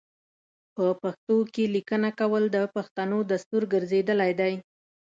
په پښتو کې لیکنه کول د پښتنو دستور ګرځیدلی دی.